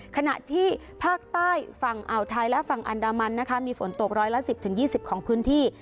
ขณะที่ภาคใต้ฝั่งอ่าวไทยและฝั่งอันดามันนะคะมีฝนตกร้อยละ๑๐๒๐ของพื้นที่